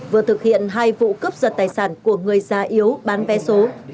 vừa thực hiện hai vụ cướp giật tài sản của người già yếu bán vé số